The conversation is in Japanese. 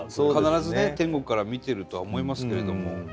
必ずね天国から見てるとは思いますけれども。